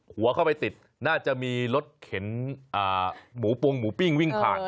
หัวเข้าไปติดน่าจะมีรถเข็นหมูปวงหมูปิ้งวิ่งผ่าน